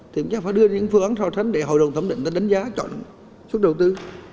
thì mình chắc phải đưa những phương án so sánh để hội đồng thẩm định nó đánh giá chọn suất đầu tư